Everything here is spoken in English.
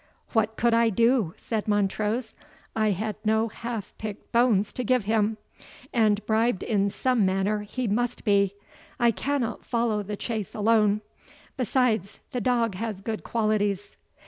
"What could I do?" said Montrose. "I had no half picked bones to give him, and bribed in some manner he must be, I cannot follow the chase alone. Besides, the dog has good qualities."